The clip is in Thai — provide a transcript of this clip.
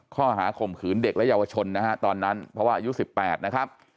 ข้อหาข่มขืนเด็กและเยาวชนนะฮะตอนนั้นเพราะว่าอายุ๑๘นะครับ